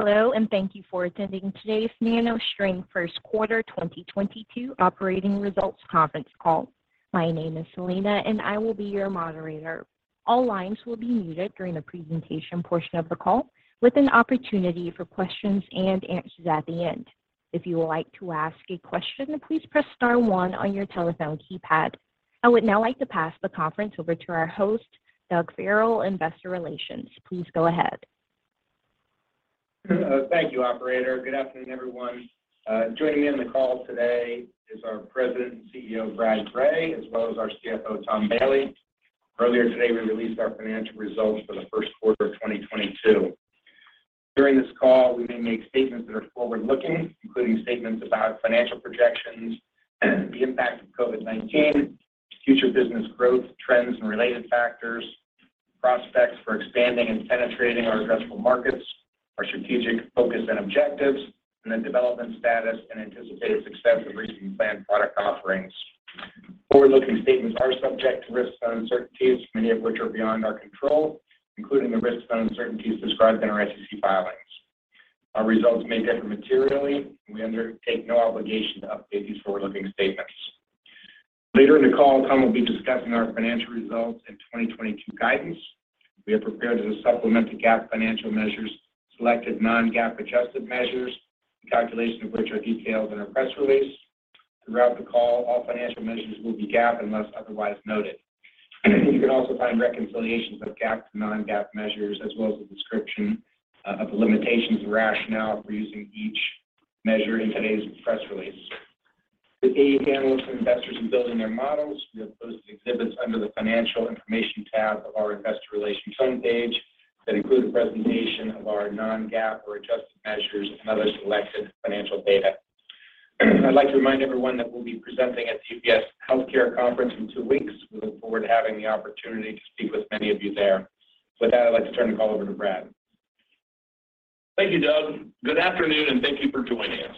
Hello, thank you for attending today's NanoString First Quarter 2022 Operating Results Conference Call. My name is Selena, and I will be your moderator. All lines will be muted during the presentation portion of the call with an opportunity for questions and answers at the end. If you would like to ask a question, please press star one on your telephone keypad. I would now like to pass the conference over to our host, Doug Farrell, Investor Relations. Please go ahead. Thank you, operator. Good afternoon, everyone. Joining me on the call today is our President and CEO, Brad Gray, as well as our CFO, Tom Bailey. Earlier today, we released our financial results for the first quarter of 2022. During this call, we may make statements that are forward-looking, including statements about financial projections, the impact of COVID-19, future business growth, trends, and related factors, prospects for expanding and penetrating our addressable markets, our strategic focus and objectives, and the development status and anticipated success of recent planned product offerings. Forward-looking statements are subject to risks and uncertainties, many of which are beyond our control, including the risks and uncertainties described in our SEC filings. Our results may differ materially, and we undertake no obligation to update these forward-looking statements. Later in the call, Tom will be discussing our financial results and 2022 guidance. We are prepared to supplement the GAAP financial measures, selected non-GAAP adjusted measures, the calculation of which are detailed in our press release. Throughout the call, all financial measures will be GAAP unless otherwise noted. You can also find reconciliations of GAAP to non-GAAP measures, as well as a description of the limitations and rationale for using each measure in today's press release. To aid analysts and investors in building their models, we have posted exhibits under the Financial Information tab of our Investor Relations homepage that include a presentation of our non-GAAP or adjusted measures and other selected financial data. I'd like to remind everyone that we'll be presenting at the UBS Global Healthcare Conference in two weeks. We look forward to having the opportunity to speak with many of you there. With that, I'd like to turn the call over to Brad. Thank you, Doug. Good afternoon, and thank you for joining us.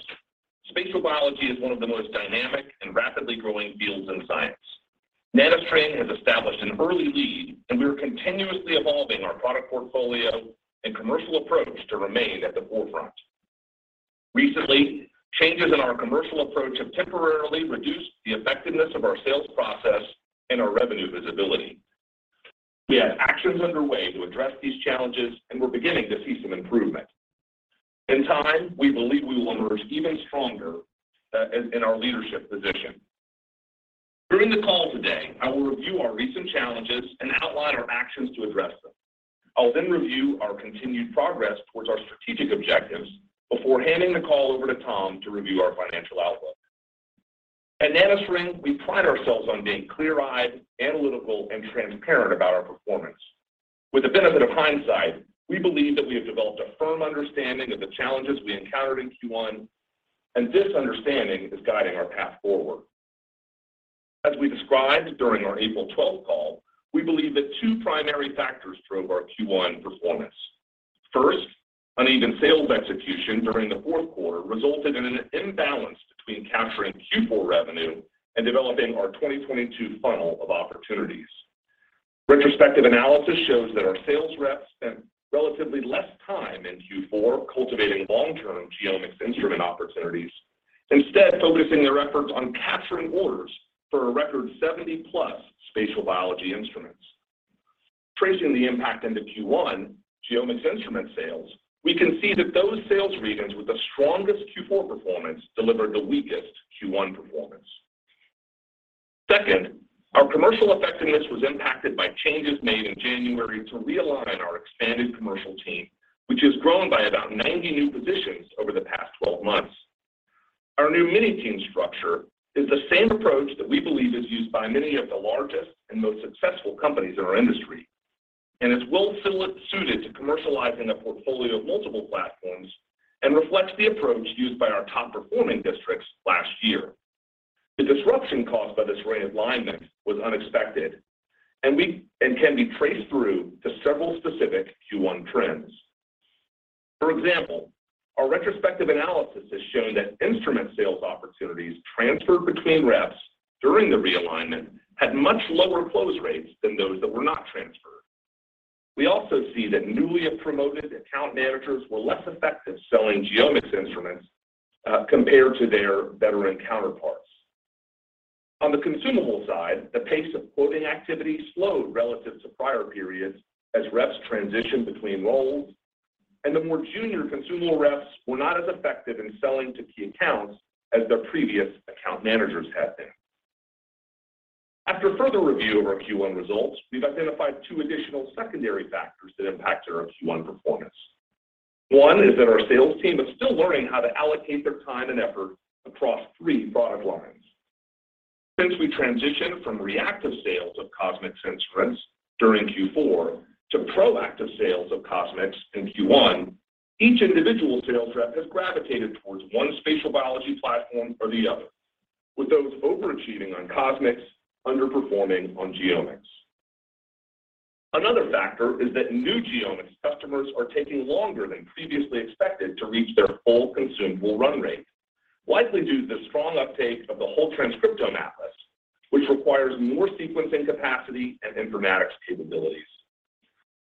Spatial biology is one of the most dynamic and rapidly growing fields in science. NanoString has established an early lead, and we are continuously evolving our product portfolio and commercial approach to remain at the forefront. Recently, changes in our commercial approach have temporarily reduced the effectiveness of our sales process and our revenue visibility. We have actions underway to address these challenges, and we're beginning to see some improvement. In time, we believe we will emerge even stronger in our leadership position. During the call today, I will review our recent challenges and outline our actions to address them. I will then review our continued progress towards our strategic objectives before handing the call over to Tom to review our financial outlook. At NanoString, we pride ourselves on being clear-eyed, analytical, and transparent about our performance. With the benefit of hindsight, we believe that we have developed a firm understanding of the challenges we encountered in Q1, and this understanding is guiding our path forward. As we described during our April 12th call, we believe that two primary factors drove our Q1 performance. First, uneven sales execution during the fourth quarter resulted in an imbalance between capturing Q4 revenue and developing our 2022 funnel of opportunities. Retrospective analysis shows that our sales reps spent relatively less time in Q4 cultivating long-term GeoMx instrument opportunities, instead focusing their efforts on capturing orders for a record 70+ spatial biology instruments. Tracing the impact into Q1 GeoMx instrument sales, we can see that those sales regions with the strongest Q4 performance delivered the weakest Q1 performance. Second, our commercial effectiveness was impacted by changes made in January to realign our expanded commercial team, which has grown by about 90 new positions over the past 12 months. Our new mini-team structure is the same approach that we believe is used by many of the largest and most successful companies in our industry and is well suited to commercializing a portfolio of multiple platforms and reflects the approach used by our top-performing districts last year. The disruption caused by this realignment was unexpected and can be traced through to several specific Q1 trends. For example, our retrospective analysis has shown that instrument sales opportunities transferred between reps during the realignment had much lower close rates than those that were not transferred. We also see that newly promoted account managers were less effective selling GeoMx instruments compared to their veteran counterparts. On the consumable side, the pace of quoting activity slowed relative to prior periods as reps transitioned between roles, and the more junior consumable reps were not as effective in selling to key accounts as their previous account managers had been. After further review of our Q1 results, we've identified two additional secondary factors that impacted our Q1 performance. One is that our sales team is still learning how to allocate their time and effort across three product lines. Since we transitioned from reactive sales of CosMx instruments during Q4 to proactive sales of CosMx in Q1, each individual sales rep has gravitated towards one spatial biology platform or the other, with those overachieving on CosMx underperforming on GeoMx. Another factor is that new GeoMx customers are taking longer than previously expected to reach their full consumable run rate, likely due to the strong uptake of the whole transcriptome app, which requires more sequencing capacity and informatics capabilities.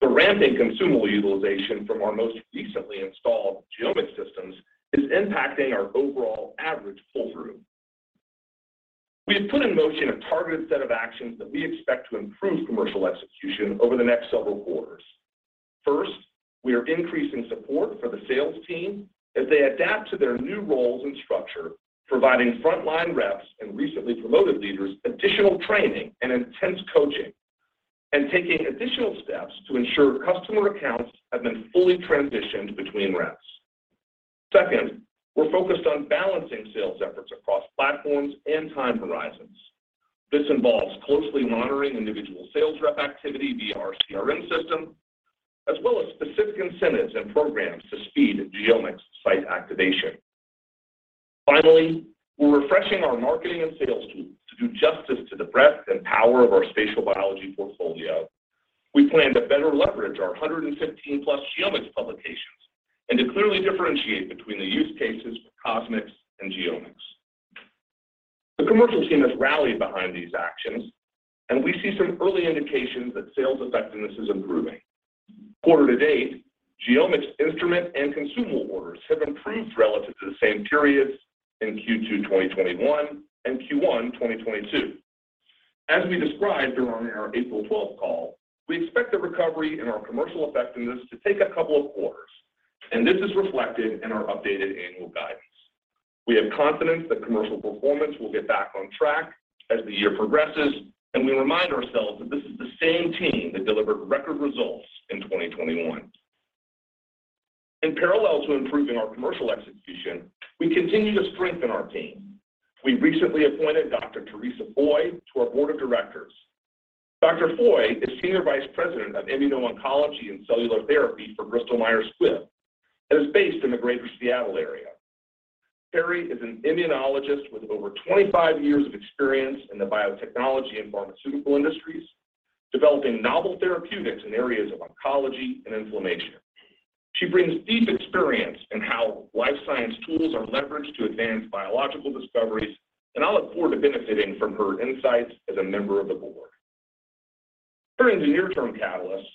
The ramping consumable utilization from our most recently installed GeoMx systems is impacting our overall average pull-through. We have put in motion a targeted set of actions that we expect to improve commercial execution over the next several quarters. First, we are increasing support for the sales team as they adapt to their new roles and structure, providing frontline reps and recently promoted leaders additional training and intense coaching, and taking additional steps to ensure customer accounts have been fully transitioned between reps. Second, we're focused on balancing sales efforts across platforms and time horizons. This involves closely monitoring individual sales rep activity via our CRM system, as well as specific incentives and programs to speed GeoMx site activation. Finally, we're refreshing our marketing and sales tools to do justice to the breadth and power of our spatial biology portfolio. We plan to better leverage our 115+ GeoMx publications and to clearly differentiate between the use cases for CosMx and GeoMx. The commercial team has rallied behind these actions, and we see some early indications that sales effectiveness is improving. Quarter to date, GeoMx instrument and consumable orders have improved relative to the same periods in Q2 2021 and Q1 2022. As we described during our April 12th call, we expect the recovery in our commercial effectiveness to take a couple of quarters, and this is reflected in our updated annual guidance. We have confidence that commercial performance will get back on track as the year progresses, and we remind ourselves that this is the same team that delivered record results in 2021. In parallel to improving our commercial execution, we continue to strengthen our team. We recently appointed Dr. Teresa Foy to our board of directors. Dr. Foy is Senior Vice President of immuno-oncology and cellular therapy for Bristol Myers Squibb, and is based in the Greater Seattle area. Terry is an immunologist with over 25 years of experience in the biotechnology and pharmaceutical industries, developing novel therapeutics in areas of oncology and inflammation. She brings deep experience in how life science tools are leveraged to advance biological discoveries, and I'll look forward to benefiting from her insights as a member of the board. Turning to near-term catalysts,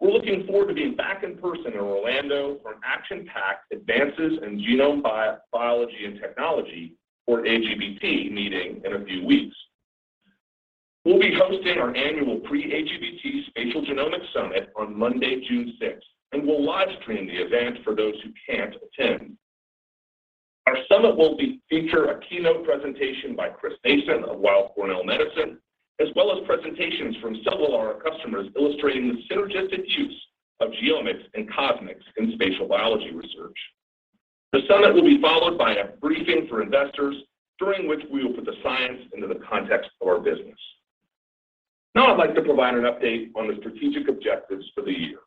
we're looking forward to being back in person in Orlando for an action-packed Advances in Genome Biology and Technology or AGBT meeting in a few weeks. We'll be hosting our annual pre-AGBT Spatial Genomics Summit on Monday, June sixth, and we'll live stream the event for those who can't attend. Our summit will feature a keynote presentation by Chris Mason of Weill Cornell Medicine, as well as presentations from several of our customers illustrating the synergistic use of GeoMx and CosMx in spatial biology research. The summit will be followed by a briefing for investors, during which we will put the science into the context of our business. Now I'd like to provide an update on the strategic objectives for the year.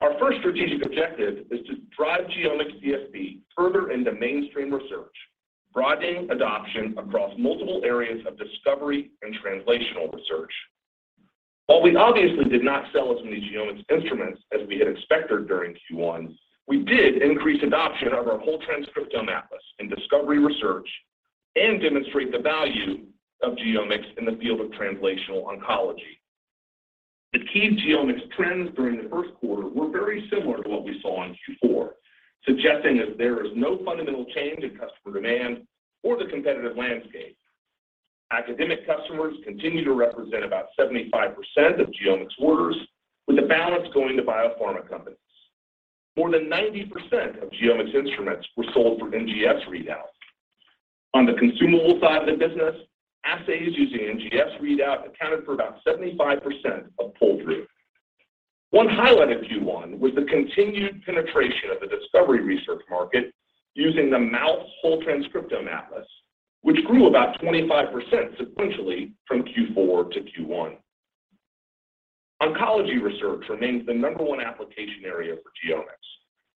Our first strategic objective is to drive GeoMx DSP further into mainstream research, broadening adoption across multiple areas of discovery and translational research. While we obviously did not sell as many GeoMx instruments as we had expected during Q1, we did increase adoption of our Whole Transcriptome Atlas in discovery research and demonstrate the value of GeoMx in the field of translational oncology. The key GeoMx trends during the first quarter were very similar to what we saw in Q4, suggesting that there is no fundamental change in customer demand or the competitive landscape. Academic customers continue to represent about 75% of GeoMx orders, with the balance going to biopharma companies. More than 90% of GeoMx instruments were sold for NGS readout. On the consumable side of the business, assays using NGS readout accounted for about 75% of pull-through. One highlight of Q1 was the continued penetration of the discovery research market using the Mouse Whole Transcriptome Atlas, which grew about 25% sequentially from Q4 to Q1. Oncology research remains the number one application area for GeoMx,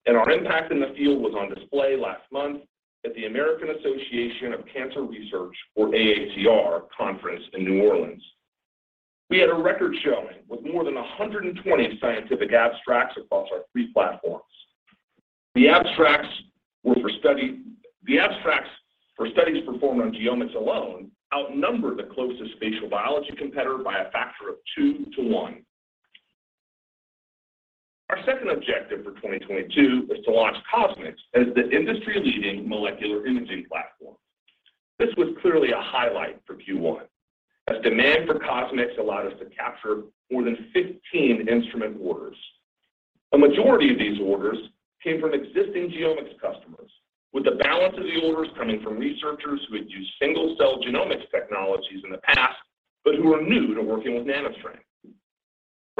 and our impact in the field was on display last month at the American Association for Cancer Research, or AACR conference in New Orleans. We had a record showing with more than 120 scientific abstracts across our three platforms. The abstracts for studies performed on GeoMx alone outnumber the closest spatial biology competitor by a factor of 2:1. Our second objective for 2022 is to launch CosMx as the industry-leading molecular imaging platform. This was clearly a highlight for Q1, as demand for CosMx allowed us to capture more than 15 instrument orders. A majority of these orders came from existing GeoMx customers, with the balance of the orders coming from researchers who had used single-cell genomics technologies in the past, but who are new to working with NanoString.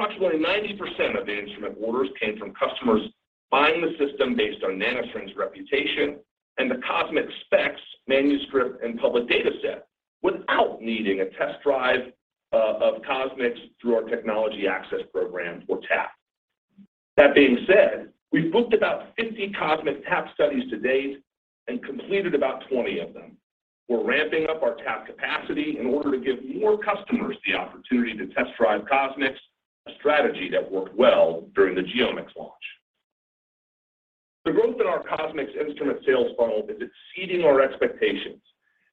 Approximately 90% of the instrument orders came from customers buying the system based on NanoString's reputation and the CosMx specs, manuscript, and public dataset without needing a test drive of CosMx through our technology access program for TAP. That being said, we've booked about 50 CosMx TAP studies to date and completed about 20 of them. We're ramping up our TAP capacity in order to give more customers the opportunity to test drive CosMx, a strategy that worked well during the GeoMx launch. CosMx instrument sales funnel is exceeding our expectations,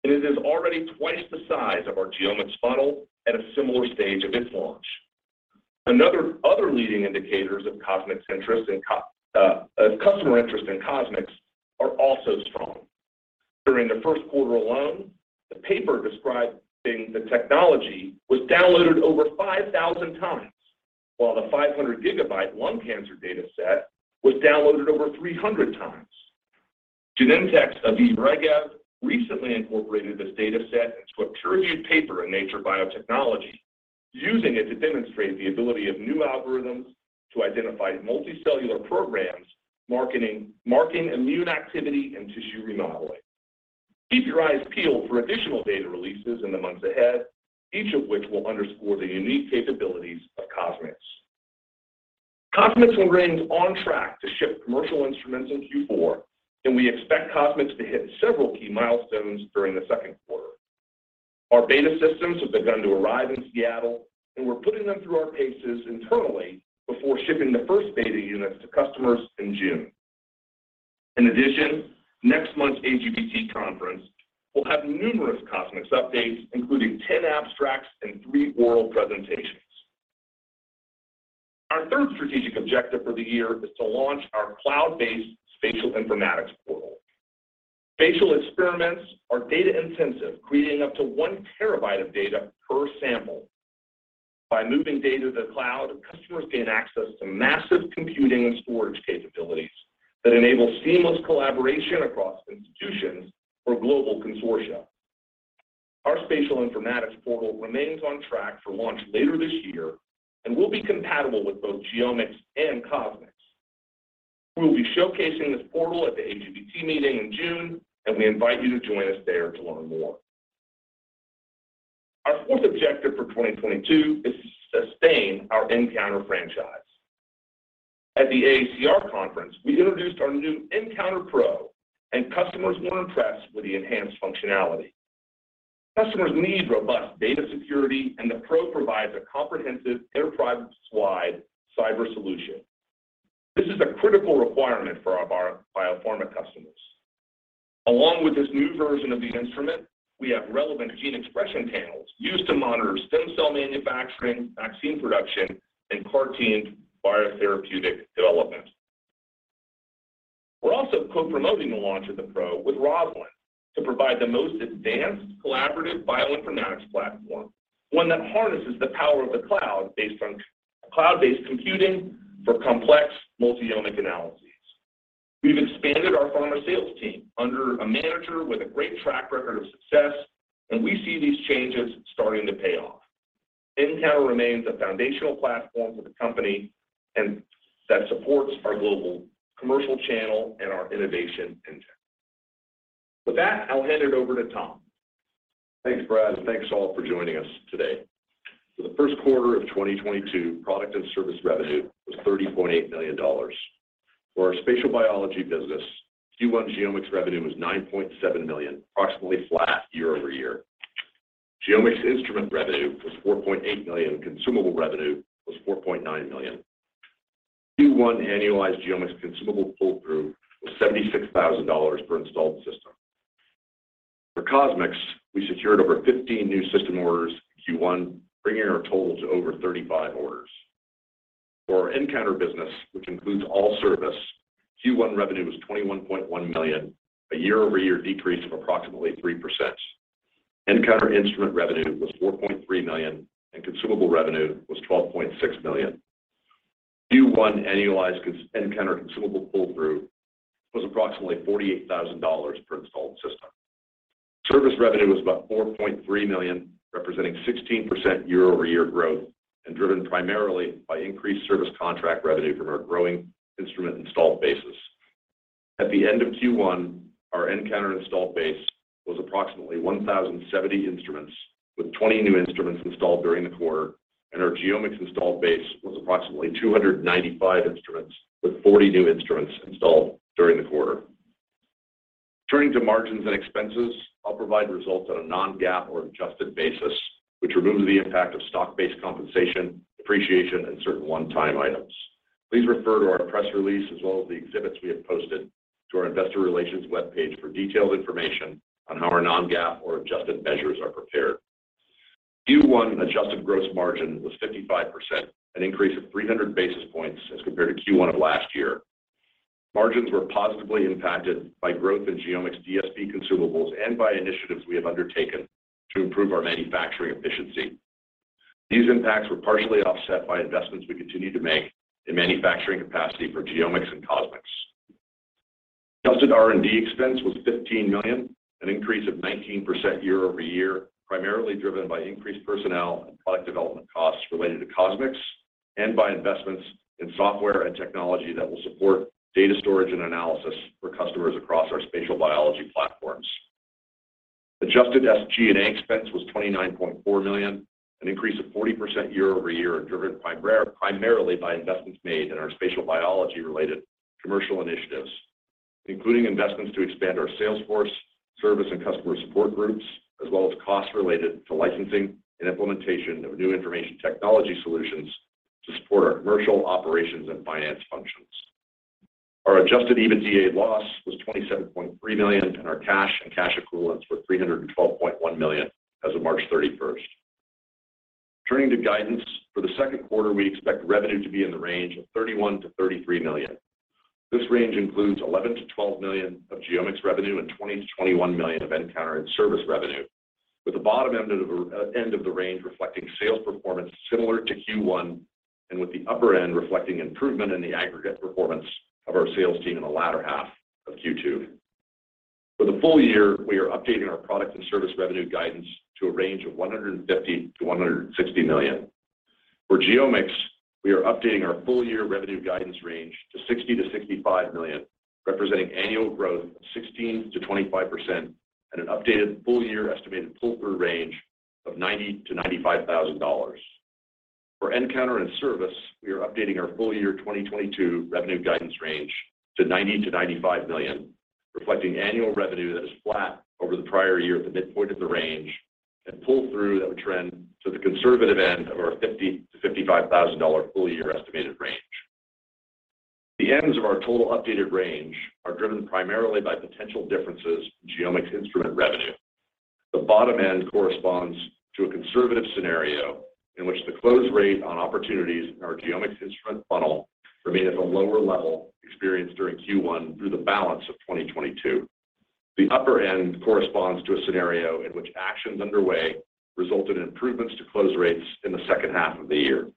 and it is already twice the size of our GeoMx funnel at a similar stage of its launch. Other leading indicators of customer interest in CosMx are also strong. During the first quarter alone, the paper describing the technology was downloaded over 5,000 times, while the 500 GB lung cancer data set was downloaded over 300 times. Genentech's Aviv Regev recently incorporated this data set into a peer-reviewed paper in Nature Biotechnology, using it to demonstrate the ability of new algorithms to identify multicellular programs marking immune activity and tissue remodeling. Keep your eyes peeled for additional data releases in the months ahead, each of which will underscore the unique capabilities of CosMx. CosMx remains on track to ship commercial instruments in Q4, and we expect CosMx to hit several key milestones during the second quarter. Our beta systems have begun to arrive in Seattle, and we're putting them through our paces internally before shipping the first beta units to customers in June. In addition, next month's AGBT conference will have numerous CosMx updates, including 10 abstracts and three oral presentations. Our third strategic objective for the year is to launch our cloud-based spatial informatics portal. Spatial experiments are data-intensive, creating up to 1 TB of data per sample. By moving data to the cloud, customers gain access to massive computing and storage capabilities that enable seamless collaboration across institutions for global consortia. Our spatial informatics portal remains on track for launch later this year and will be compatible with both GeoMx and CosMx. We will be showcasing this portal at the AGBT meeting in June, and we invite you to join us there to learn more. Our fourth objective for 2022 is to sustain our nCounter franchise. At the AACR conference, we introduced our new nCounter Pro, and customers were impressed with the enhanced functionality. Customers need robust data security, and the Pro provides a comprehensive enterprise-wide cyber solution. This is a critical requirement for our biopharma customers. Along with this new version of the instrument, we have relevant gene expression panels used to monitor stem cell manufacturing, vaccine production, and CAR T biotherapeutic development. We're also co-promoting the launch of the Pro with ROSALIND to provide the most advanced collaborative bioinformatics platform, one that harnesses the power of the cloud based on cloud-based computing for complex multi-omic analyses. We've expanded our pharma sales team under a manager with a great track record of success, and we see these changes starting to pay off. nCounter remains a foundational platform for the company and that supports our global commercial channel and our innovation engine. With that, I'll hand it over to Tom. Thanks, Brad, and thanks, all, for joining us today. For the first quarter of 2022, product and service revenue was $30.8 million. For our spatial biology business, Q1 GeoMx revenue was $9.7 million, approximately flat year-over-year. GeoMx instrument revenue was $4.8 million. Consumable revenue was $4.9 million. Q1 annualized GeoMx consumable pull-through was $76,000 per installed system. For CosMx, we secured over 15 new system orders in Q1, bringing our total to over 35 orders. For our nCounter business, which includes all service, Q1 revenue was $21.1 million, a year-over-year decrease of approximately 3%. nCounter instrument revenue was $4.3 million, and consumable revenue was $12.6 million. Q1 annualized nCounter consumable pull-through was approximately $48,000 per installed system. Service revenue was about $4.3 million, representing 16% year-over-year growth and driven primarily by increased service contract revenue from our growing instrument installed bases. At the end of Q1, our nCounter installed base was approximately 1,070 instruments, with 20 new instruments installed during the quarter, and our GeoMx installed base was approximately 295 instruments, with 40 new instruments installed during the quarter. Turning to margins and expenses, I'll provide results on a non-GAAP or adjusted basis, which removes the impact of stock-based compensation, depreciation, and certain one-time items. Please refer to our press release as well as the exhibits we have posted to our investor relations webpage for detailed information on how our non-GAAP or adjusted measures are prepared. Q1 adjusted gross margin was 55%, an increase of 300 basis points as compared to Q1 of last year. Margins were positively impacted by growth in GeoMx DSP consumables and by initiatives we have undertaken to improve our manufacturing efficiency. These impacts were partially offset by investments we continue to make in manufacturing capacity for GeoMx and CosMx. Adjusted R&D expense was $15 million, an increase of 19% year-over-year, primarily driven by increased personnel and product development costs related to CosMx and by investments in software and technology that will support data storage and analysis for customers across our spatial biology platforms. Adjusted SG&A expense was $29.4 million, an increase of 40% year-over-year, and driven primarily by investments made in our spatial biology-related commercial initiatives, including investments to expand our sales force, service and customer support groups, as well as costs related to licensing and implementation of new information technology solutions. To support our commercial operations and finance functions. Our adjusted EBITDA loss was $27.3 million, and our cash and cash equivalents were $312.1 million as of March 31st. Turning to guidance, for the second quarter, we expect revenue to be in the range of $31 million-$33 million. This range includes $11 million-$12 million of GeoMx revenue and $20 million-$21 million of nCounter and service revenue, with the bottom end of the range reflecting sales performance similar to Q1 and with the upper end reflecting improvement in the aggregate performance of our sales team in the latter half of Q2. For the full year, we are updating our product and service revenue guidance to a range of $150 million-$160 million. For GeoMx, we are updating our full year revenue guidance range to $60 million-$65 million, representing annual growth of 16%-25% at an updated full year estimated pull-through range of $90,000-$95,000. For nCounter and service, we are updating our full year 2022 revenue guidance range to $90 million-$95 million, reflecting annual revenue that is flat over the prior year at the midpoint of the range and pull-through that would trend to the conservative end of our $50,000-$55,000 full year estimated range. The ends of our total updated range are driven primarily by potential differences in GeoMx instrument revenue. The bottom end corresponds to a conservative scenario in which the close rate on opportunities in our GeoMx instrument funnel remain at the lower level experienced during Q1 through the balance of 2022. The upper end corresponds to a scenario in which actions underway result in improvements to close rates in the second half of the year.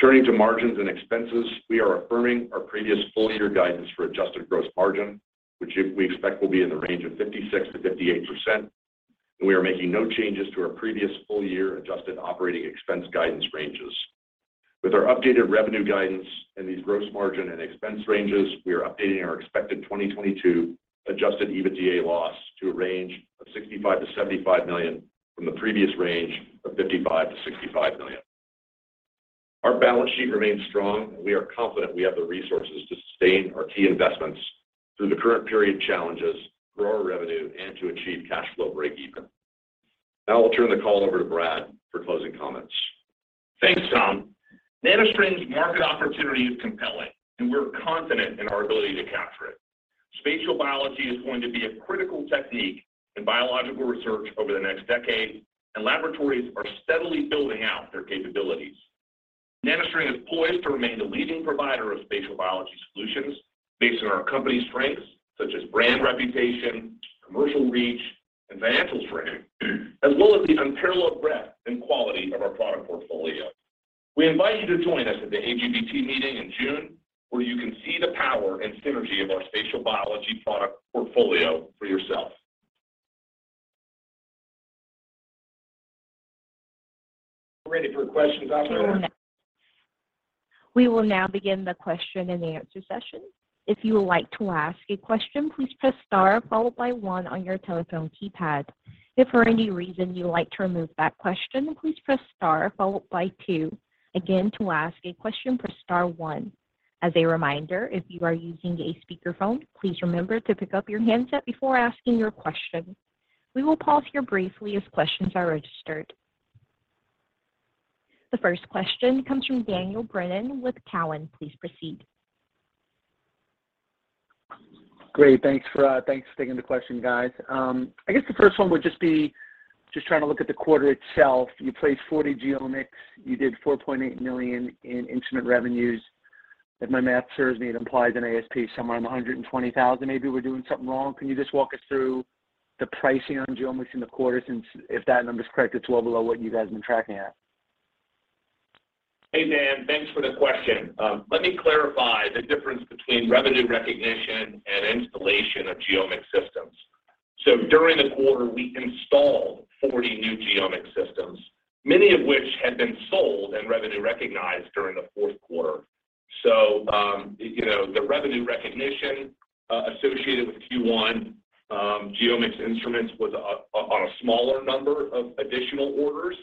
Turning to margins and expenses, we are affirming our previous full year guidance for adjusted gross margin, which we expect will be in the range of 56%-58%, and we are making no changes to our previous full year adjusted operating expense guidance ranges. With our updated revenue guidance and these gross margin and expense ranges, we are updating our expected 2022 adjusted EBITDA loss to a range of $65 million-$75 million from the previous range of $55 million-$65 million. Our balance sheet remains strong, and we are confident we have the resources to sustain our key investments through the current period challenges, grow our revenue, and to achieve cash flow breakeven. Now I'll turn the call over to Brad for closing comments. Thanks, Tom. NanoString's market opportunity is compelling, and we're confident in our ability to capture it. Spatial biology is going to be a critical technique in biological research over the next decade, and laboratories are steadily building out their capabilities. NanoString is poised to remain the leading provider of spatial biology solutions based on our company's strengths such as brand reputation, commercial reach, and financial strength, as well as the unparalleled breadth and quality of our product portfolio. We invite you to join us at the AGBT meeting in June, where you can see the power and synergy of our spatial biology product portfolio for yourself. We're ready for questions, operator. We will now begin the question-and-answer session. If you would like to ask a question, please press star followed by one on your telephone keypad. If for any reason you would like to remove that question, please press star followed by two. Again, to ask a question, press star one. As a reminder, if you are using a speakerphone, please remember to pick up your handset before asking your question. We will pause here briefly as questions are registered. The first question comes from Daniel Brennan with Cowen. Please proceed. Great. Thanks, Brad. Thanks for taking the question, guys. I guess the first one would just be trying to look at the quarter itself. You placed 40 GeoMx. You did $4.8 million in instrument revenues. If my math serves me, it implies an ASP somewhere in the $120,000. Maybe we're doing something wrong. Can you just walk us through the pricing on GeoMx in the quarter since if that number's correct, it's well below what you guys have been tracking at? Hey, Dan. Thanks for the question. Let me clarify the difference between revenue recognition and installation of GeoMx systems. During the quarter, we installed 40 new GeoMx systems, many of which had been sold and revenue recognized during the fourth quarter. You know, the revenue recognition associated with Q1 GeoMx instruments was on a smaller number of additional orders,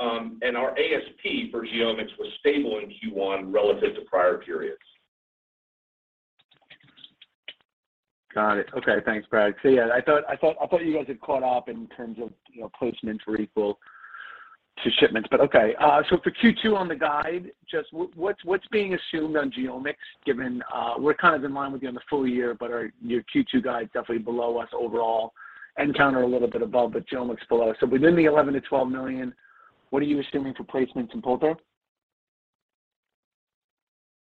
and our ASP for GeoMx was stable in Q1 relative to prior periods. Got it. Okay. Thanks, Brad. See, I thought you guys had caught up in terms of, you know, placements were equal to shipments, but okay. For Q2 on the guide, just what's being assumed on GeoMx given we're kind of in line with you on the full year, but your Q2 guide's definitely below us overall, nCounter a little bit above, but GeoMx below. Within the $11 million-$12 million, what are you assuming for placements and pull-through?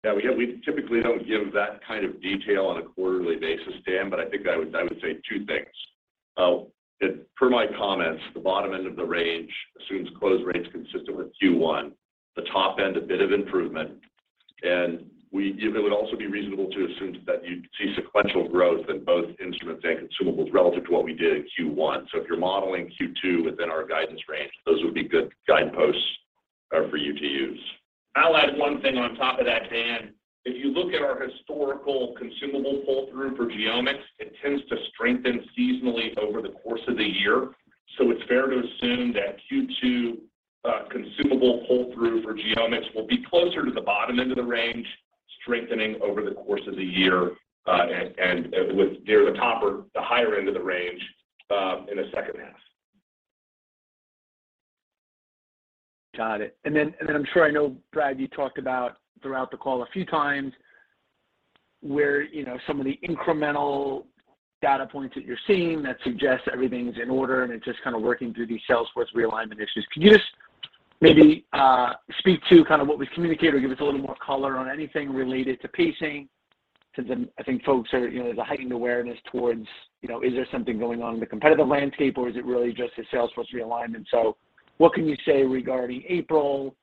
Yeah, we typically don't give that kind of detail on a quarterly basis, Dan, but I think I would say two things. Per my comments, the bottom end of the range assumes close rates consistent with Q1, the top end a bit of improvement, and it would also be reasonable to assume that you'd see sequential growth in both instruments and consumables relative to what we did in Q1. If you're modeling Q2 within our guidance range, those would be good guideposts for you to use. I'll add one thing on top of that, Dan. If you look at our historical consumable pull-through for GeoMx, it tends to strengthen seasonally over the course of the year. It's fair to assume that Q2 consumable pull-through for GeoMx will be closer to the bottom end of the range, strengthening over the course of the year, and near the top or the higher end of the range in the second half. Got it. Then I'm sure you know, Brad, you talked about throughout the call a few times where, you know, some of the incremental data points that you're seeing that suggests everything's in order, and it's just kind of working through these Salesforce realignment issues. Can you just maybe speak to kind of what was communicated or give us a little more color on anything related to pacing? Because I think folks are, you know. There's a heightened awareness towards, you know, is there something going on in the competitive landscape, or is it really just a Salesforce realignment? What can you say regarding April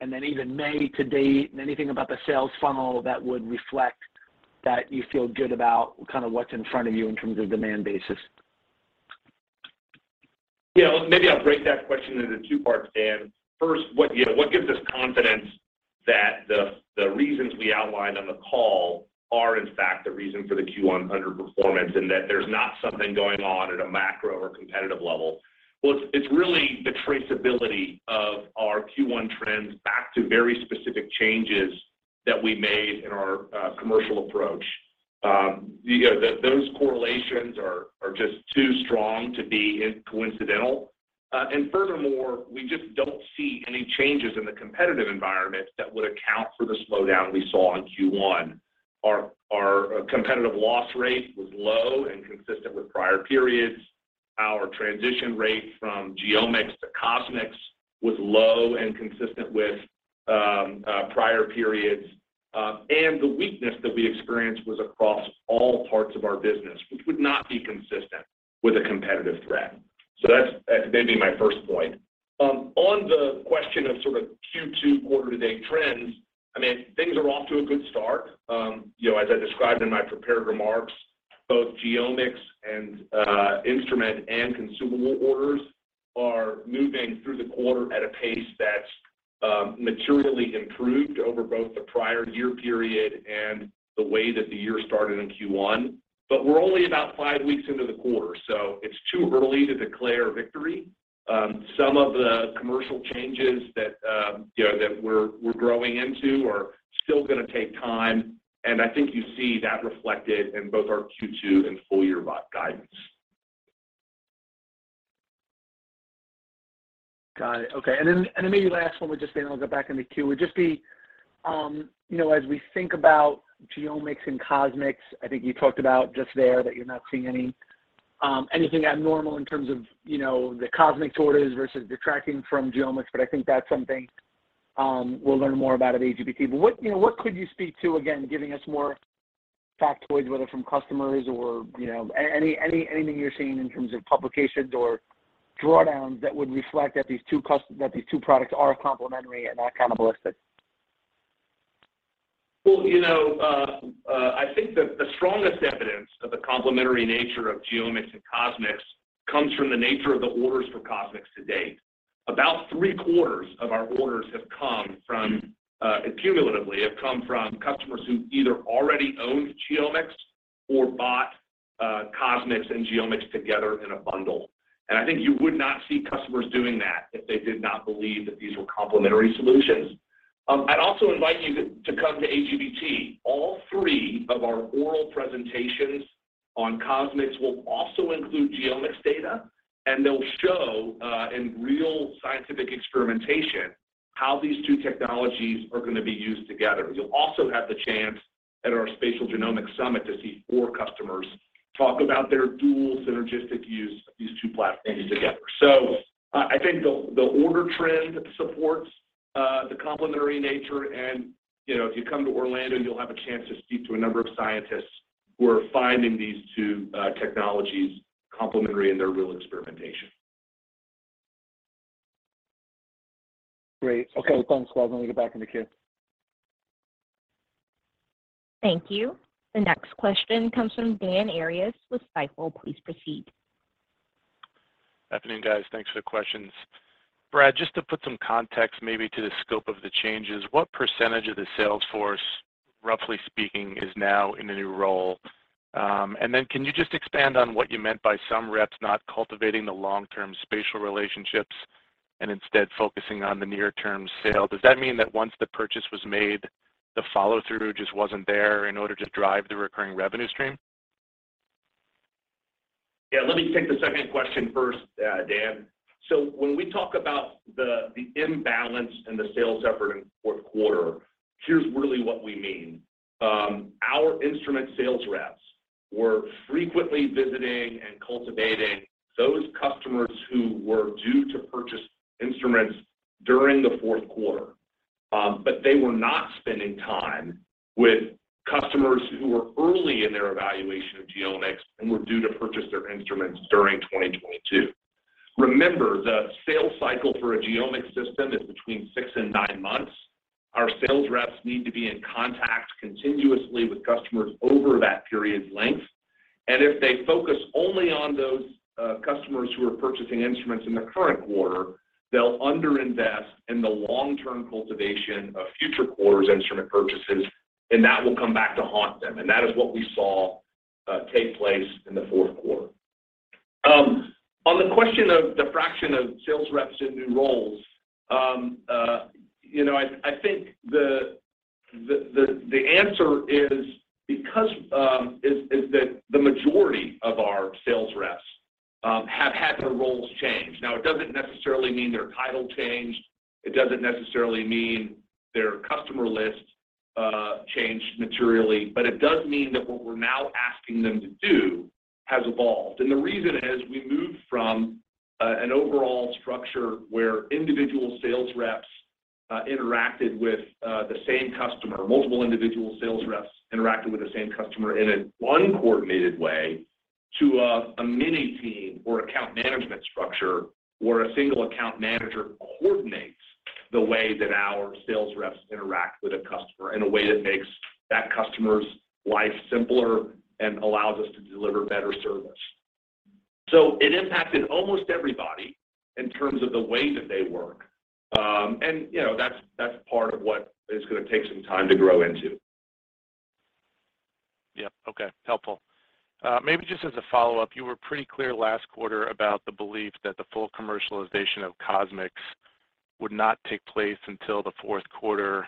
and then even May to date and anything about the sales funnel that would reflect that you feel good about kind of what's in front of you in terms of demand basis? Yeah. Maybe I'll break that question into two parts, Dan. First, you know, what gives us confidence that the reasons we outlined on the call are in fact the reason for the Q1 underperformance and that there's not something going on at a macro or competitive level. Well, it's really the traceability of our Q1 trends back to very specific changes that we made in our commercial approach. You know, those correlations are just too strong to be coincidental. Furthermore, we just don't see any changes in the competitive environment that would account for the slowdown we saw in Q1. Our competitive loss rate was low and consistent with prior periods. Our transition rate from GeoMx to CosMx was low and consistent with prior periods. The weakness that we experienced was across all parts of our business, which would not be consistent with a competitive threat. That may be my first point. On the question of sort of Q2 quarter to date trends, I mean, things are off to a good start. You know, as I described in my prepared remarks, both GeoMx and instrument and consumable orders are moving through the quarter at a pace that's materially improved over both the prior year period and the way that the year started in Q1. We're only about five weeks into the quarter, so it's too early to declare victory. Some of the commercial changes that, you know, that we're growing into are still going to take time, and I think you see that reflected in both our Q2 and full-year guidance. Got it. Okay. Then maybe last one with just Dan, I'll get back in the queue, would just be, you know, as we think about GeoMx and CosMx, I think you talked about just there that you're not seeing anything abnormal in terms of, you know, the CosMx orders vs detracting from GeoMx, I think that's something we'll learn more about at AGBT. What, you know, what could you speak to, again, giving us more factoids, whether from customers or, you know, anything you're seeing in terms of publications or drawdowns that would reflect that these two products are complementary and not cannibalistic? Well, you know, I think the strongest evidence of the complementary nature of GeoMx and CosMx comes from the nature of the orders for CosMx to date. About three-quarters of our orders have come cumulatively from customers who either already owned GeoMx or bought CosMx and GeoMx together in a bundle. I think you would not see customers doing that if they did not believe that these were complementary solutions. I'd also invite you to come to AGBT. All three of our oral presentations on CosMx will also include GeoMx data, and they'll show in real scientific experimentation how these two technologies are going to be used together. You'll also have the chance at our Spatial Genomics Summit to see four customers talk about their dual synergistic use of these two platforms together. I think the order trend supports the complementary nature, and you know, if you come to Orlando, you'll have a chance to speak to a number of scientists who are finding these two technologies complementary in their real experimentation. Great. Okay. Thanks, Brad. Let me get back in the queue. Thank you. The next question comes from Dan Arias with Stifel. Please proceed. Good afternoon, guys. Thanks for the questions. Brad, just to put some context maybe to the scope of the changes, what percentage of the sales force, roughly speaking, is now in a new role? Can you just expand on what you meant by some reps not cultivating the long-term spatial relationships and instead focusing on the near-term sale? Does that mean that once the purchase was made, the follow-through just wasn't there in order to drive the recurring revenue stream? Yeah. Let me take the second question first, Dan. When we talk about the imbalance in the sales effort in fourth quarter, here's really what we mean. Our instrument sales reps were frequently visiting and cultivating those customers who were due to purchase instruments during the fourth quarter, but they were not spending time with customers who were early in their evaluation of GeoMx and were due to purchase their instruments during 2022. Remember, the sales cycle for a GeoMx system is between six and nine months. Our sales reps need to be in contact continuously with customers over that period length. If they focus only on those customers who are purchasing instruments in the current quarter, they'll under invest in the long-term cultivation of future quarters instrument purchases, and that will come back to haunt them. That is what we saw take place in the fourth quarter. On the question of the fraction of sales reps in new roles, you know, I think the answer is that the majority of our sales reps have had their roles changed. Now, it doesn't necessarily mean their title changed, it doesn't necessarily mean their customer list changed materially, but it does mean that what we're now asking them to do has evolved. The reason is we moved from an overall structure where individual sales reps interacted with the same customer. Multiple individual sales reps interacted with the same customer in an uncoordinated way to a mini team or account management structure where a single account manager coordinates the way that our sales reps interact with a customer in a way that makes that customer's life simpler and allows us to deliver better service. It impacted almost everybody in terms of the way that they work. You know, that's part of what is gonna take some time to grow into. Yeah. Okay. Helpful. Maybe just as a follow-up, you were pretty clear last quarter about the belief that the full commercialization of CosMx would not take place until the fourth quarter.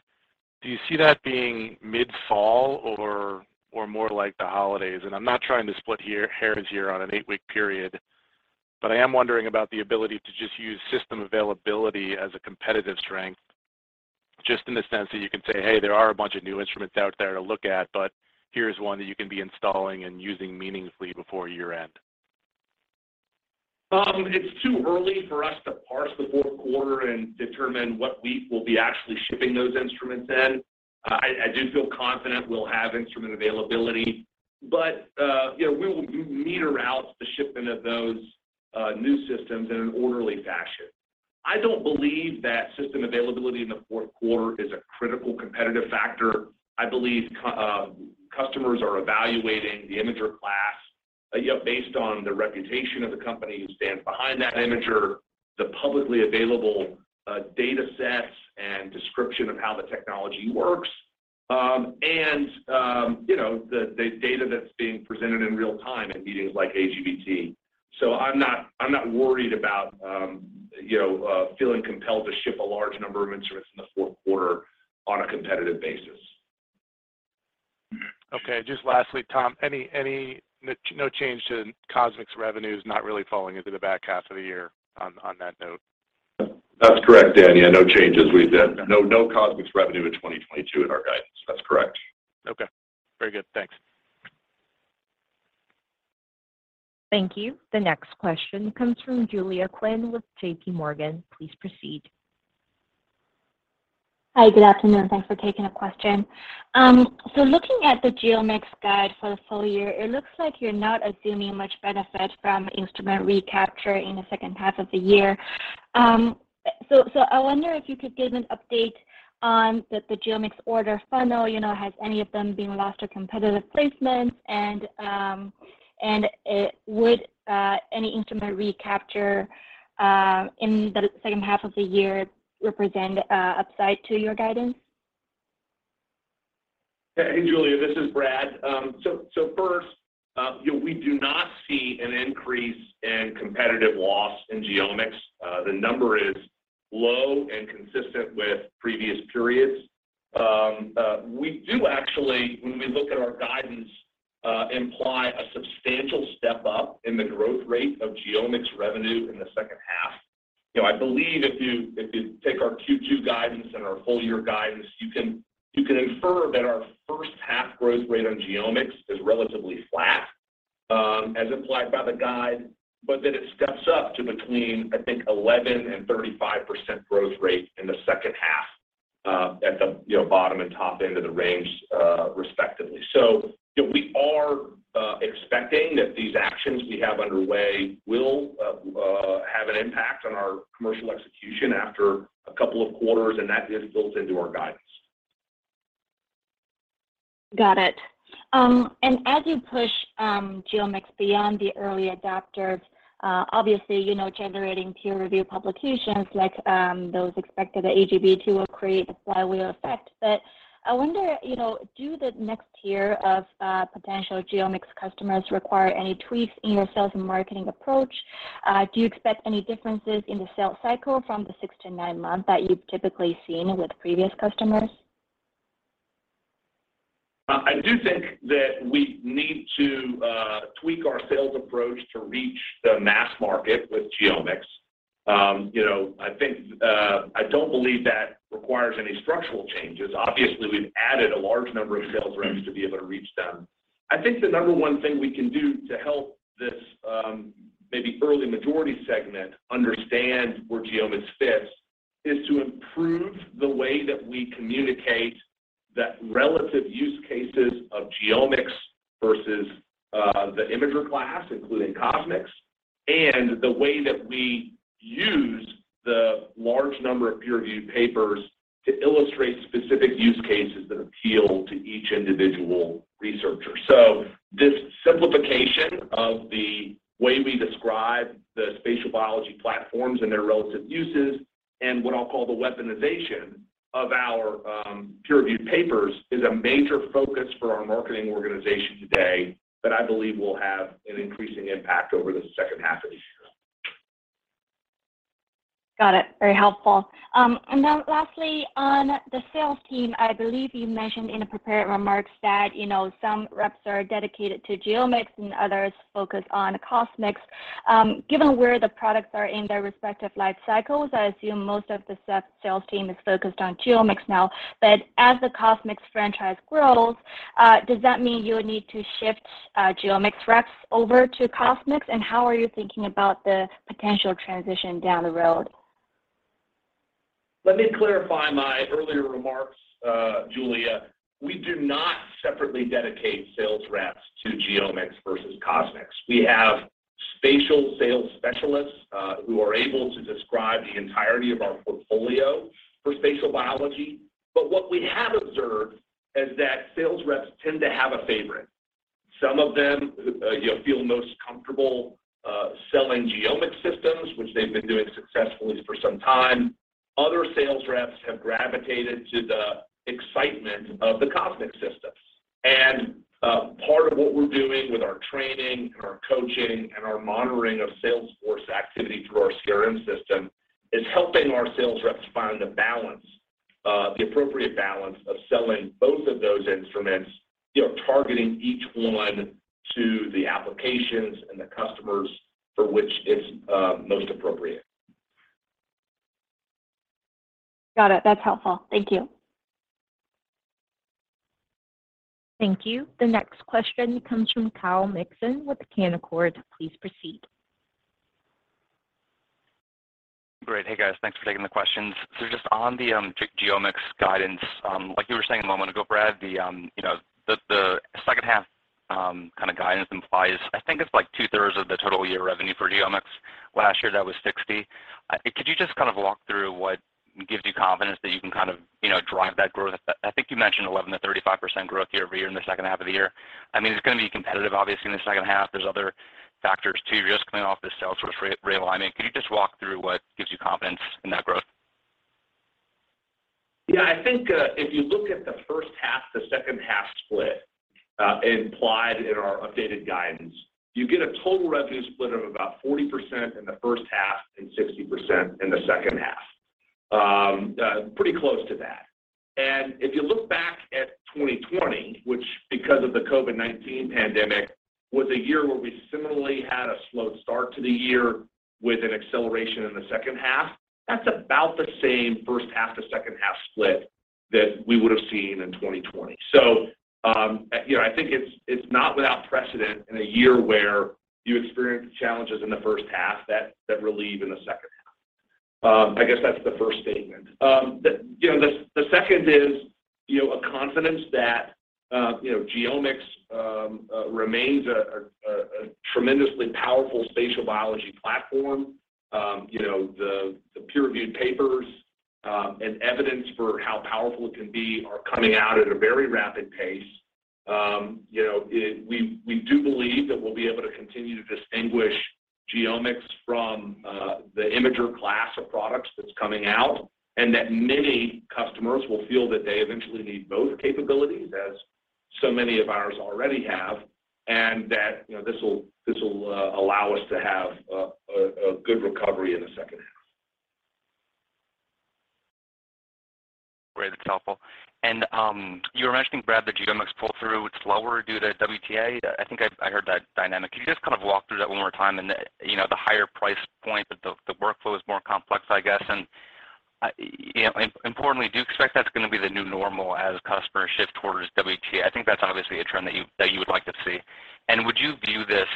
Do you see that being mid-fall or more like the holidays? I'm not trying to splitting hairs here on an eight-week period, but I am wondering about the ability to just use system availability as a competitive strength, just in the sense that you can say, "Hey, there are a bunch of new instruments out there to look at, but here's one that you can be installing and using meaningfully before year end. It's too early for us to parse the fourth quarter and determine what week we'll be actually shipping those instruments in. I do feel confident we'll have instrument availability, but you know, we will meter out the shipment of those new systems in an orderly fashion. I don't believe that system availability in the fourth quarter is a critical competitive factor. I believe customers are evaluating the imager class, you know, based on the reputation of the company who stands behind that imager, the publicly available data sets and description of how the technology works, and you know, the data that's being presented in real time in meetings like AGBT. I'm not worried about you know, feeling compelled to ship a large number of instruments in the fourth quarter on a competitive basis. Okay. Just lastly, Tom, no change to CosMx revenues not really falling into the back half of the year on that note? That's correct, Dan. Yeah, no change as we did. No, no CosMx revenue in 2022 in our guidance. That's correct. Okay. Very good. Thanks. Thank you. The next question comes from Tycho Peterson with JPMorgan. Please proceed. Hi. Good afternoon. Thanks for taking a question. Looking at the GeoMx guide for the full year, it looks like you're not assuming much benefit from instrument recapture in the second half of the year. I wonder if you could give an update on the GeoMx order funnel. You know, has any of them been lost to competitive placements? And would any instrument recapture in the second half of the year represent upside to your guidance? Hey, Julia, this is Brad. First, you know, we do not see an increase in competitive loss in GeoMx. The number is low and consistent with previous periods. We do actually, when we look at our guidance, imply a substantial step up in the growth rate of GeoMx revenue in the second half. You know, I believe if you take our Q2 guidance and our full year guidance, you can infer that our first half growth rate on GeoMx is relatively flat, as implied by the guide, but then it steps up to between, I think, 11% and 35% growth rate in the second half, at the, you know, bottom and top end of the range, respectively. you know, we are expecting that these actions we have underway will have an impact on our commercial execution after a couple of quarters, and that is built into our guidance. Got it. As you push GeoMx beyond the early adopters, obviously, you know, generating peer review publications like those expected at AGBT will create a flywheel effect. I wonder, you know, do the next tier of potential GeoMx customers require any tweaks in your sales and marketing approach? Do you expect any differences in the sales cycle from the six to nine months that you've typically seen with previous customers? I do think that we need to tweak our sales approach to reach the mass market with GeoMx. You know, I think I don't believe that requires any structural changes. Obviously, we've added a large number of sales reps to be able to reach them. I think the number one thing we can do to help this maybe early majority segment understand where GeoMx fits is to improve the way that we communicate the relative use cases of GeoMx vs the imager class, including CosMx, and the way that we use the large number of peer-reviewed papers to illustrate specific use cases that appeal to each individual researcher. This simplification of the way we describe the spatial biology platforms and their relative uses, and what I'll call the weaponization of our, peer-reviewed papers, is a major focus for our marketing organization today that I believe will have an increasing impact over the second half of the year. Got it. Very helpful. Lastly, on the sales team, I believe you mentioned in the prepared remarks that, you know, some reps are dedicated to GeoMx and others focus on CosMx. Given where the products are in their respective life cycles, I assume most of the sales team is focused on GeoMx now. As the CosMx franchise grows, does that mean you would need to shift GeoMx reps over to CosMx? And how are you thinking about the potential transition down the road? Let me clarify my earlier remarks, Tycho Peterson. We do not separately dedicate sales reps to GeoMx vs CosMx. We have spatial sales specialists, who are able to describe the entirety of our portfolio for spatial biology. What we have observed is that sales reps tend to have a favorite. Some of them, you know, feel most comfortable, selling GeoMx systems, which they've been doing successfully for some time. Other sales reps have gravitated to the excitement of the CosMx systems. Part of what we're doing with our training and our coaching and our monitoring of sales force activity through our CRM system is helping our sales reps find a balance, the appropriate balance of selling both of those instruments, you know, targeting each one to the applications and the customers for which it's most appropriate. Got it. That's helpful. Thank you. Thank you. The next question comes from Kyle Mikson with Canaccord. Please proceed. Great. Hey, guys. Thanks for taking the questions. Just on the GeoMx guidance, like you were saying a moment ago, Brad, you know, the second half kind of guidance implies, I think it's like 2/3 of the total year revenue for GeoMx. Last year that was 60%. Could you just kind of walk through what gives you confidence that you can kind of, you know, drive that growth? I think you mentioned 11%-35% growth year-over-year in the second half of the year. I mean, it's going to be competitive obviously in the second half. There's other factors too. You're just coming off the sales force realignment. Could you just walk through what gives you confidence in that growth? Yeah. I think, if you look at the first half to second half split, implied in our updated guidance, you get a total revenue split of about 40% in the first half and 60% in the second half. Pretty close to that. If you look back at 2020, which because of the COVID-19 pandemic, was a year where we similarly had a slow start to the year with an acceleration in the second half, that's about the same first half to second half split that we would have seen in 2020. You know, I think it's not without precedent in a year where you experience challenges in the first half that relieve in the second half. I guess that's the first statement. you know, the second is, you know, a confidence that, you know, GeoMx remains a tremendously powerful spatial biology platform. you know, the peer-reviewed papers and evidence for how powerful it can be are coming out at a very rapid pace. you know, we do believe that we'll be able to continue to distinguish GeoMx from the imager class of products that's coming out, and that many customers will feel that they eventually need both capabilities as so many of ours already have, and that, you know, this will allow us to have a good recovery in the second half. Great. That's helpful. You were mentioning, Brad, the GeoMx pull-through was slower due to WTA. I think I heard that dynamic. Can you just kind of walk through that one more time and, you know, the higher price point, but the workflow is more complex, I guess. Importantly, do you expect that's going to be the new normal as customers shift towards WTA? I think that's obviously a trend that you would like to see. Would you view this,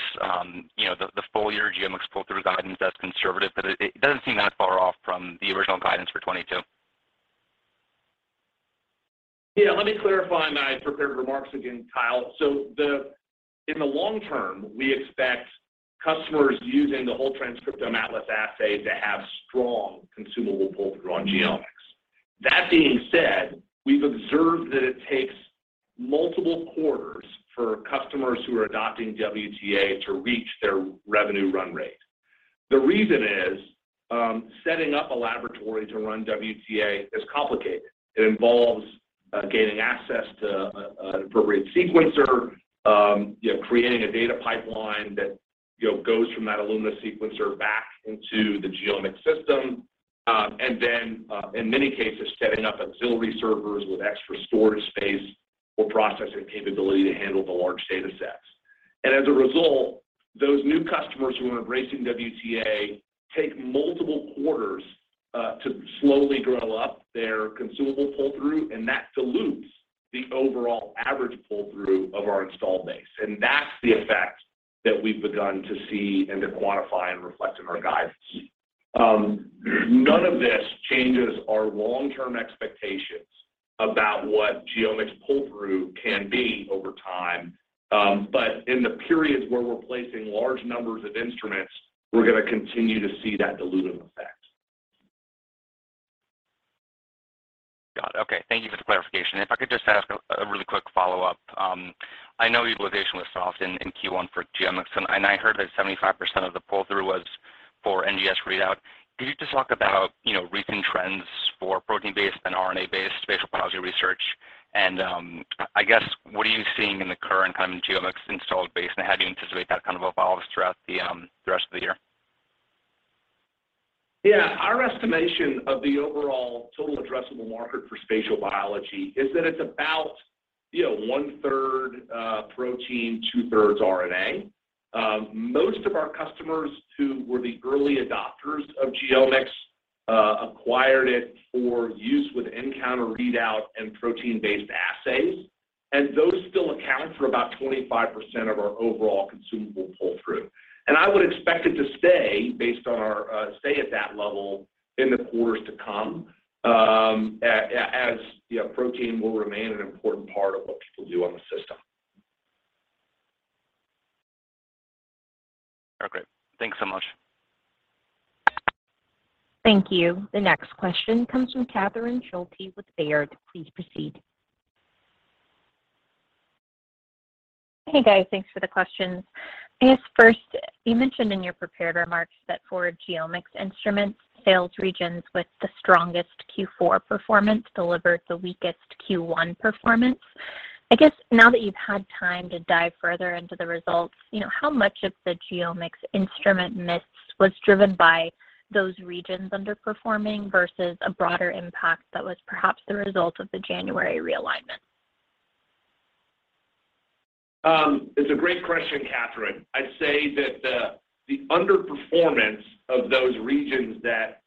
you know, the full year GeoMx pull-through guidance as conservative? It doesn't seem that far off from the original guidance for 2022. Yeah. Let me clarify my prepared remarks again, Kyle. In the long term, we expect customers using the whole transcriptome atlas assay to have strong consumable pull-through on GeoMx. That being said, we've observed that it takes multiple quarters for customers who are adopting WTA to reach their revenue run rate. The reason is setting up a laboratory to run WTA is complicated. It involves gaining access to an appropriate sequencer, you know, creating a data pipeline that, you know, goes from that Illumina sequencer back into the GeoMx system, and then in many cases, setting up auxiliary servers with extra storage space or processing capability to handle the large data sets. As a result, those new customers who are embracing WTA take multiple quarters to slowly drill up their consumable pull-through, and that dilutes the overall average pull-through of our install base, and that's the effect that we've begun to see and to quantify and reflect in our guidance. None of this changes our long-term expectations about what GeoMx pull-through can be over time. In the periods where we're placing large numbers of instruments, we're going to continue to see that dilutive effect. Got it. Okay. Thank you for the clarification. If I could just ask a really quick follow-up. I know utilization was soft in Q1 for GeoMx, and I heard that 75% of the pull-through was for NGS readout. Could you just talk about recent trends for protein-based and RNA-based spatial biology research. I guess what are you seeing in the current kind of genomics installed base, and how do you anticipate that kind of evolves throughout the rest of the year? Yeah. Our estimation of the overall total addressable market for spatial biology is that it's about, you know, 1/3 protein, 2/3 RNA. Most of our customers who were the early adopters of genomics acquired it for use with nCounter readout and protein-based assays. Those still account for about 25% of our overall consumable pull-through. I would expect it to stay at that level in the quarters to come, as you know, protein will remain an important part of what people do on the system. Okay. Thanks so much. Thank you. The next question comes from Catherine Schulte with Baird. Please proceed. Hey, guys. Thanks for the questions. I guess first, you mentioned in your prepared remarks that for genomics instruments, sales regions with the strongest Q4 performance delivered the weakest Q1 performance. I guess now that you've had time to dive further into the results, you know, how much of the genomics instrument miss was driven by those regions underperforming vs a broader impact that was perhaps the result of the January realignment? It's a great question, Catherine. I'd say that the underperformance of those regions that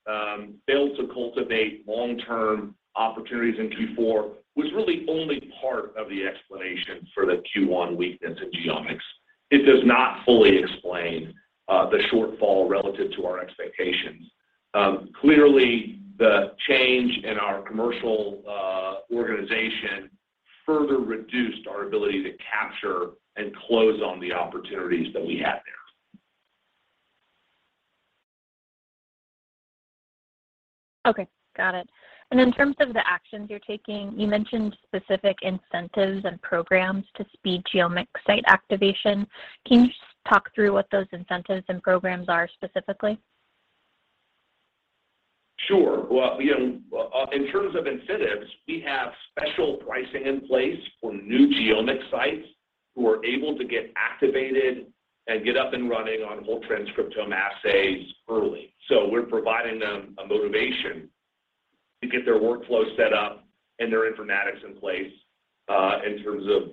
failed to cultivate long-term opportunities in Q4 was really only part of the explanation for the Q1 weakness in genomics. It does not fully explain the shortfall relative to our expectations. Clearly the change in our commercial organization further reduced our ability to capture and close on the opportunities that we had there. Okay. Got it. In terms of the actions you're taking, you mentioned specific incentives and programs to speed genomic site activation. Can you just talk through what those incentives and programs are specifically? Sure. Well, you know, in terms of incentives, we have special pricing in place for new genomic sites who are able to get activated and get up and running on whole transcriptome assays early. We're providing them a motivation to get their workflow set up and their informatics in place, in terms of,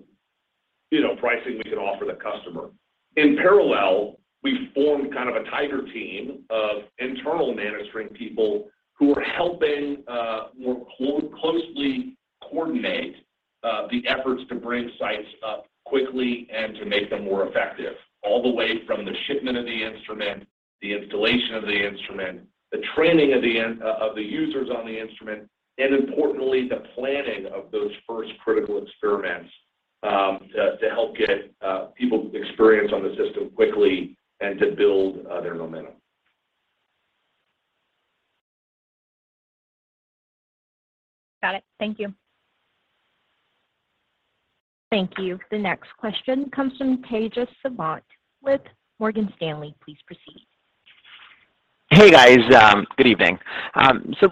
you know, pricing we can offer the customer. In parallel, we formed kind of a tighter team of internal management people who are helping more closely coordinate the efforts to bring sites up quickly and to make them more effective, all the way from the shipment of the instrument, the installation of the instrument, the training of the users on the instrument, and importantly, the planning of those first critical experiments to help get people experience on the system quickly and to build their momentum. Got it. Thank you. Thank you. The next question comes from Tejas Savant with Morgan Stanley. Please proceed. Hey, guys. Good evening.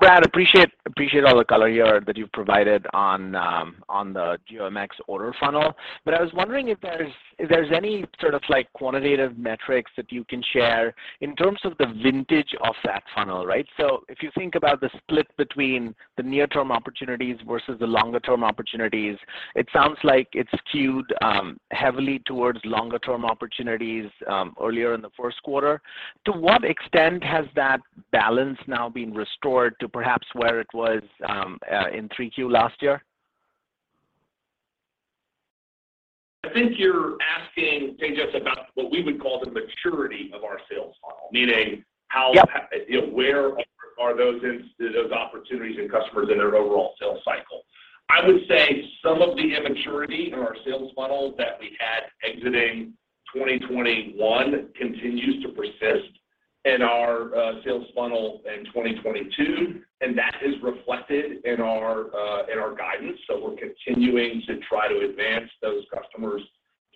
Brad, appreciate all the color here that you've provided on the GeoMx order funnel. I was wondering if there's any sort of like quantitative metrics that you can share in terms of the vintage of that funnel, right? If you think about the split between the near-term opportunities vs the longer-term opportunities, it sounds like it's skewed heavily towards longer-term opportunities earlier in the first quarter. To what extent has that balance now been restored to perhaps where it was in 3Q last year? I think you're asking, Tejas, about what we would call the maturity of our sales funnel, meaning how Yep. You know, where are those opportunities and customers in their overall sales cycle? I would say some of the immaturity in our sales funnel that we had exiting 2021 continues to persist in our sales funnel in 2022, and that is reflected in our guidance. We're continuing to try to advance those customers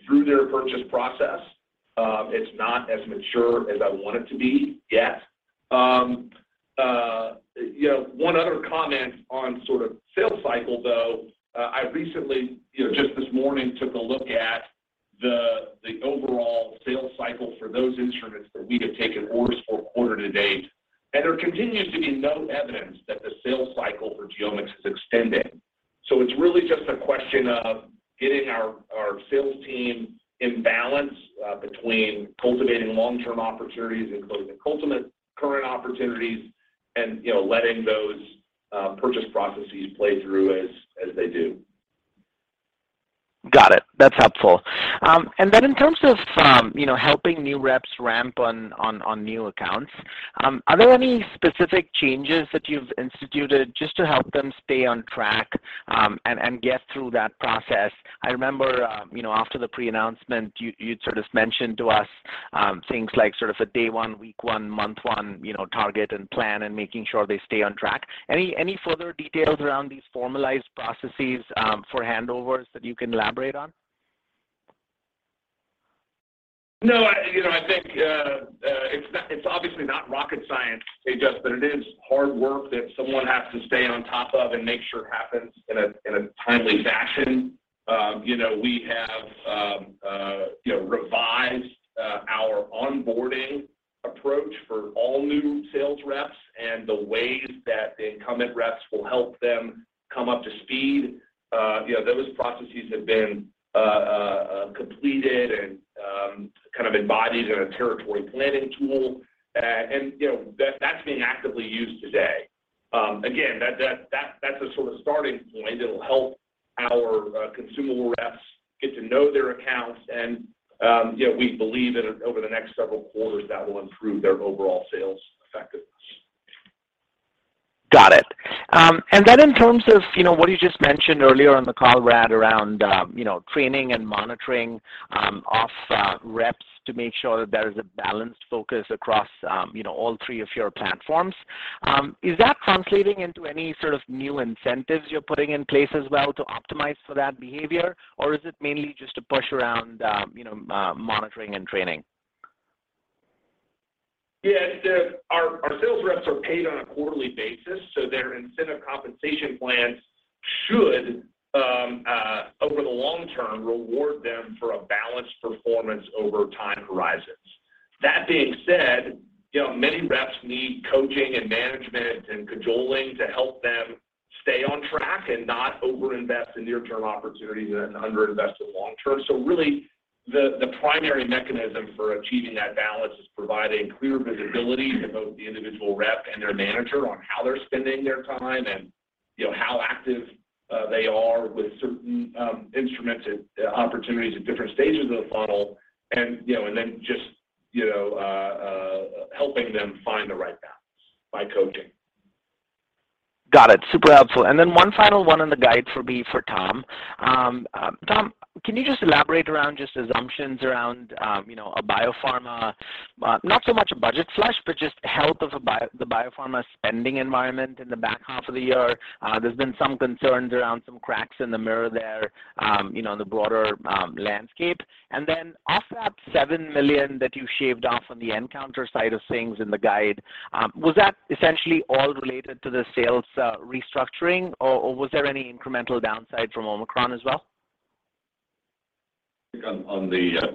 through their purchase process. It's not as mature as I want it to be yet. You know, one other comment on sort of sales cycle, though. I recently, you know, just this morning took a look at the overall sales cycle for those instruments that we have taken orders for quarter to date, and there continues to be no evidence that the sales cycle for GeoMx is extending. It's really just a question of getting our sales team in balance between cultivating long-term opportunities, including the ultimate current opportunities and, you know, letting those purchase processes play through as they do. Got it. That's helpful. Then in terms of, you know, helping new reps ramp on new accounts, are there any specific changes that you've instituted just to help them stay on track, and get through that process? I remember, you know, after the pre-announcement, you'd sort of mentioned to us, things like sort of a day one, week one, month one, you know, target and plan and making sure they stay on track. Any further details around these formalized processes for handovers that you can elaborate on? No, you know, I think it's obviously not rocket science, Tejas, but it is hard work that someone has to stay on top of and make sure happens in a timely fashion. You know, we have you know revised our onboarding approach for all new sales reps and the ways that the incumbent reps will help them come up to speed. You know, those processes have been completed and kind of embodied in a territory planning tool. And you know, that's being actively used today. Again, that's a sort of starting point that'll help our consumable reps get to know their accounts and you know, we believe that over the next several quarters, that will improve their overall sales effectiveness. Got it. And then in terms of, you know, what you just mentioned earlier on the call, Brad, around, you know, training and monitoring of reps to make sure that there is a balanced focus across, you know, all three of your platforms. Is that translating into any sort of new incentives you're putting in place as well to optimize for that behavior? Or is it mainly just a push around, you know, monitoring and training? Our sales reps are paid on a quarterly basis, so their incentive compensation plans should over the long term reward them for a balanced performance over time horizons. That being said, you know, many reps need coaching and management and cajoling to help them stay on track and not overinvest in near-term opportunities and under-invest in long-term. The primary mechanism for achieving that balance is providing clear visibility to both the individual rep and their manager on how they're spending their time and, you know, how active they are with certain instruments and opportunities at different stages of the funnel and, you know, and then just, you know, helping them find the right balance by coaching. Got it. Super helpful. One final one on the guide for me for Tom. Tom, can you just elaborate around just assumptions around, you know, a biopharma, not so much a budget flush, but just health of the biopharma spending environment in the back half of the year. There's been some concerns around some cracks in the mirror there, you know, on the broader landscape. Of that $7 million that you shaved off on the nCounter side of things in the guide, was that essentially all related to the sales restructuring or was there any incremental downside from Omicron as well? On the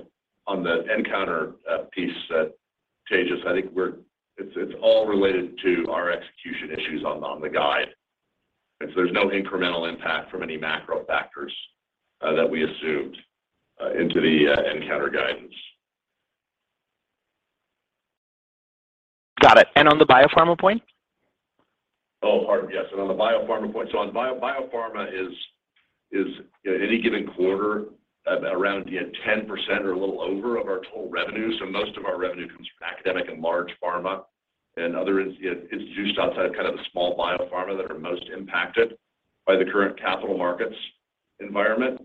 nCounter piece, Tejas, I think it's all related to our execution issues on the guide. There's no incremental impact from any macro factors that we assumed into the nCounter guidance. Got it. On the biopharma point? Oh, pardon me. Yes. On the biopharma point, so on biopharma is, you know, any given quarter at around, you know, 10% or a little over of our total revenue. Most of our revenue comes from academic and large pharma and other institutions outside of kind of the small biopharma that are most impacted by the current capital markets environment.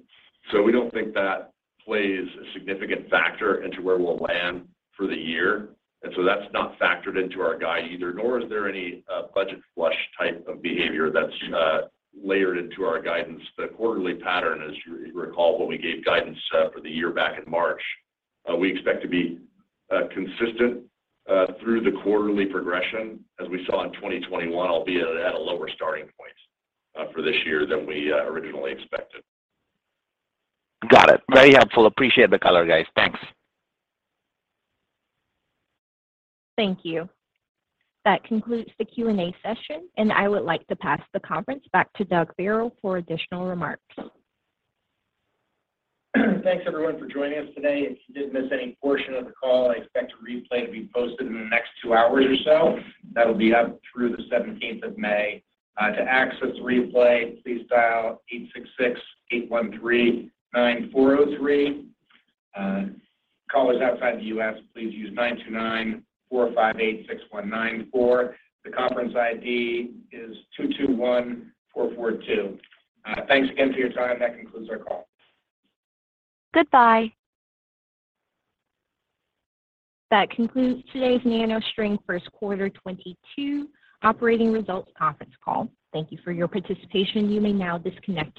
We don't think that plays a significant factor into where we'll land for the year. That's not factored into our guide either, nor is there any budget flush type of behavior that's layered into our guidance. The quarterly pattern, as you recall when we gave guidance for the year back in March, we expect to be consistent through the quarterly progression as we saw in 2021, albeit at a lower starting point for this year than we originally expected. Got it. Very helpful. Appreciate the color, guys. Thanks. Thank you. That concludes the Q&A session, and I would like to pass the conference back to Doug Farrell for additional remarks. Thanks, everyone, for joining us today. If you did miss any portion of the call, I expect a replay to be posted in the next 2 hours or so. That'll be up through the 17th of May. To access the replay, please dial 866-813-9403. Callers outside the U.S., please use 929-458-6194. The conference ID is 221442. Thanks again for your time. That concludes our call. Goodbye. That concludes today's NanoString First Quarter 2022 Operating Results Conference Call. Thank you for your participation. You may now disconnect your line.